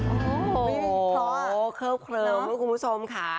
โอ้โหเคิบเคลิมคุณผู้ชมค่ะ